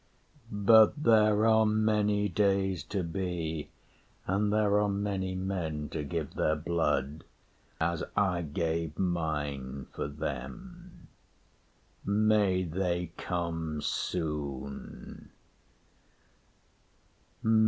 But there are many days to be, And there are many men to give their blood, As I gave mine for them. May they come soon!